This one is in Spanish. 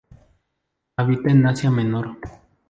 Habita en Asia Menor.